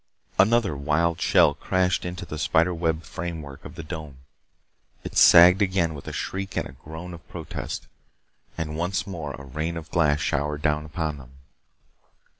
Another wild shell crashed into the spider web framework of the dome. It sagged again with a shriek and a groan of protest. And once more a rain of glass showered down upon them.